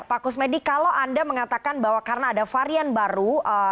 pak kusmedi kalau anda mengatakan bahwa karena ada varian baru